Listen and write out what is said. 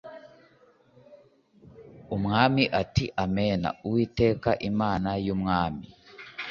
umwami ati Amen Uwiteka Imana y umwami